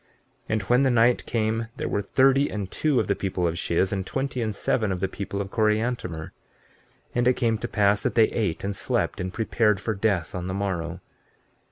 15:25 And when the night came there were thirty and two of the people of Shiz, and twenty and seven of the people of Coriantumr. 15:26 And it came to pass that they ate and slept, and prepared for death on the morrow.